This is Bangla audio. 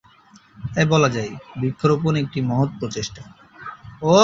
তাই বলা যায় বৃক্ষরোপণ একটি মহৎ প্রচেষ্টা।